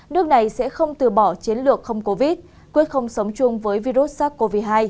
nước này sẽ không từ bỏ chiến lược không covid quyết không sống chung với virus sars cov hai